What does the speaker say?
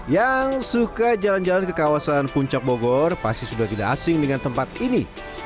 yang suka jalan jalan ke kawasan puncak bogor pasti sudah tidak asing dengan tempat ini